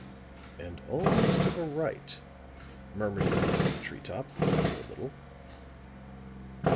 "And always to the right," murmured the man in the tree top, after a little.